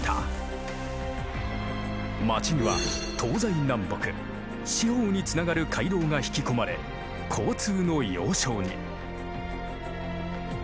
町には東西南北四方につながる街道が引き込まれ交通の要衝に。